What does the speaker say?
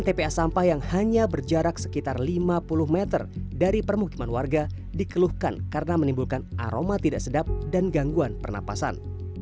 tpa sampah yang hanya berjarak sekitar lima puluh meter dari permukiman warga dikeluhkan karena menimbulkan aroma tidak sedap dan gangguan pernapasan